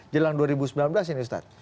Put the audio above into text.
jelang dua ribu sembilan belas ini ustadz